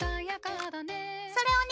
それをね